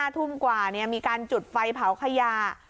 ทุ่มกว่ามีการจุดไฟเผาขยะ